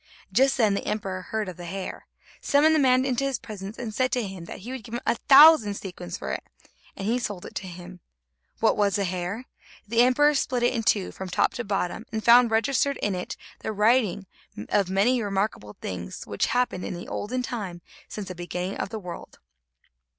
Just then the emperor heard of the hair, summoned the man into his presence, and said to him that he would give him a thousand sequins for it, and he sold it to him. What was the hair? The emperor split it in two from top to bottom, and found registered in it in writing many remarkable things, which happened in the olden time since the beginning of the world.